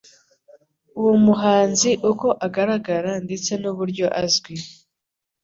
uwo muhanzi uko agaragara ndetse n'uburyo azwi